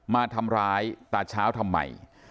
มาทำร้ายตาเช้าทำไม